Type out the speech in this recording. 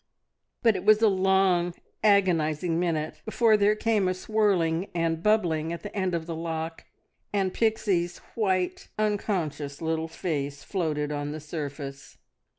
But it was a long, agonising minute before there came a swirling and bubbling at the end of the lock, and Pixie's white, unconscious little face floated on the surface.